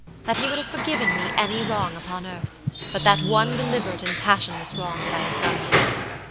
That he would have forgiven me any wrong upon earth, but that one deliberate and passionless wrong that I had done him.